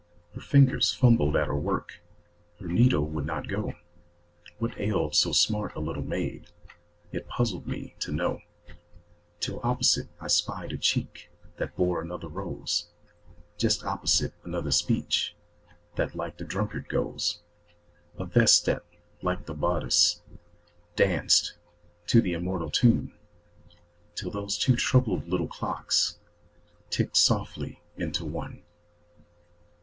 Her fingers fumbled at her work, Her needle would not go; What ailed so smart a little maid It puzzled me to know, Till opposite I spied a cheek That bore another rose; Just opposite, another speech That like the drunkard goes; A vest that, like the bodice, danced To the immortal tune, Till those two troubled little clocks Ticked softly into one.